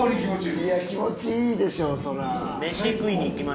いや気持ちいいでしょそら。